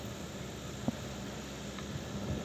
该集团的领导层主要由之前流亡的学生担任。